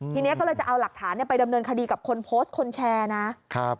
ทีนี้ก็เลยจะเอาหลักฐานไปดำเนินคดีกับคนโพสต์คนแชร์นะครับ